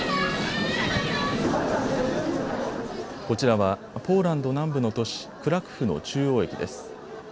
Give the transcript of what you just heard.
こちらはポーランド南部の都市、クラクフの中央駅です。